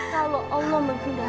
kalau allah menghendaki